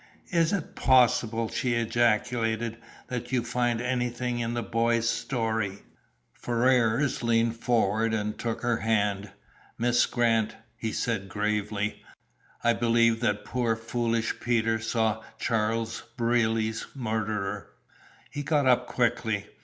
"Is it possible," she ejaculated, "that you find anything in the boy's story?" Ferrars leaned forward and took her hand. "Miss Grant," he said gravely, "I believe that poor foolish Peter saw Charles Brierly's murderer." He got up quickly.